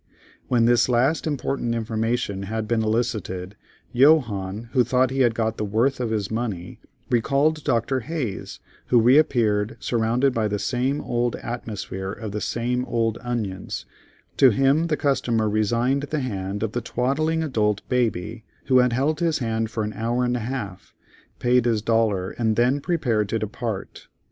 When this last important information had been elicited, Johannes, who thought he had got the worth of his money, recalled Dr. Hayes, who reappeared, surrounded by the same old atmosphere of the same old onions; to him the customer resigned the hand of the twaddling adult baby who had held his hand for an hour and a half, paid his dollar, and then prepared to depart.